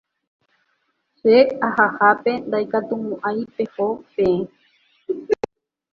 Che ahahápe ndaikatumo'ãi peho peẽ